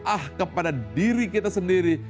ah kepada diri kita sendiri